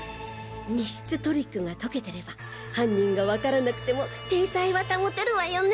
密室トリックが解けてれば犯人が分からなくても体裁は保てるわよね？